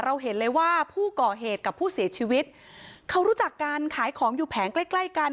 เห็นเลยว่าผู้ก่อเหตุกับผู้เสียชีวิตเขารู้จักการขายของอยู่แผงใกล้ใกล้กัน